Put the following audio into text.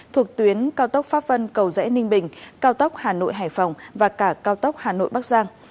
thuộc tuyến cao tốc pháp vân cầu rẽ ninh bình cao tốc hà nội hải phòng và cả cao tốc hà nội bắc giang